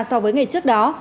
so với ngày trước đó